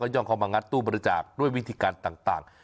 ย่องเข้ามางัดตู้บริจาคด้วยวิธีการต่าง